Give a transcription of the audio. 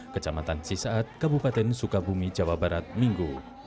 kecamatan cisaat kabupaten sukabumi jawa barat minggu